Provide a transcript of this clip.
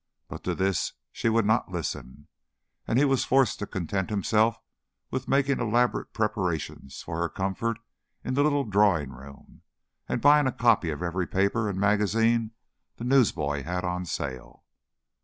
But to this she would not listen, and he was forced to content himself with making elaborate preparations for her comfort in the little drawing room, and buying a copy of every paper and magazine the newsboy had on sale.